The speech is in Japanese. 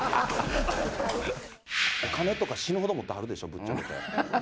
お金とか死ぬほど持ってはるでしょ、ぶっちゃけ。